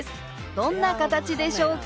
どんな形でしょうか？